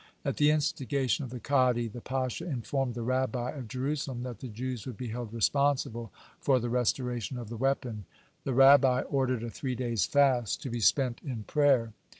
At the instigation of the kadi, the pasha informed the Rabbi of Jerusalem that the Jews would be held responsible for the restoration of the weapon. The Rabbi ordered a three days' fast, to be spent in prayer.